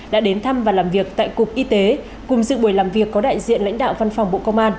đã đến thăm và làm việc tại cục y tế cùng dự buổi làm việc có đại diện lãnh đạo văn phòng bộ công an